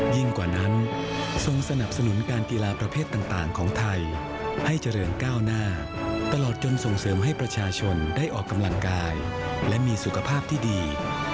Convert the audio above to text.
กว่านั้นทรงสนับสนุนการกีฬาประเภทต่างของไทยให้เจริญก้าวหน้าตลอดจนส่งเสริมให้ประชาชนได้ออกกำลังกายและมีสุขภาพที่ดี